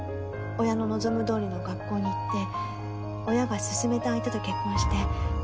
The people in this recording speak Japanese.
親の望むどおりの学校に行って親が薦めた相手と結婚して。